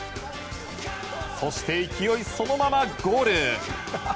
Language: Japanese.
そして、勢いそのまま、ゴール！